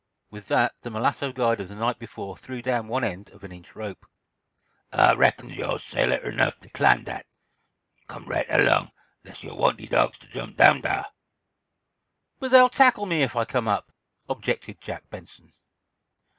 With that, the mulatto guide of the night before threw down one end of an inch rope. "Ah reckon yo's sailor ernuff to clim' dat. Come right erlong, 'less yo' wants de dawgs ter jump down dar." "But they'll tackle me if I come up," objected Jack Benson.